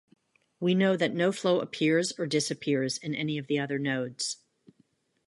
We know that no flow appears or disappears in any of the other nodes.